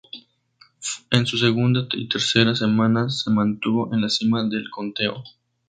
En su segunda y tercera semana, se mantuvo en la cima del conteo.